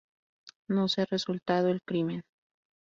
No se ha resuelto el crimen.